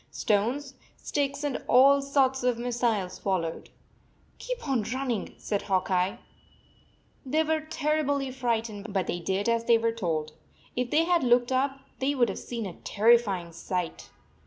Stones, sticks, and all sorts of missiles followed. "Keep on running," said Hawk Eye. 9 1 They were terribly frightened, but they did as they were told. If they had looked up, they would have seen a terrifying sight.